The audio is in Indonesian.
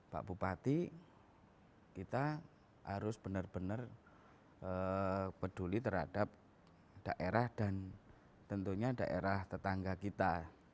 pak bupati kita harus benar benar peduli terhadap daerah dan tentunya daerah tetangga kita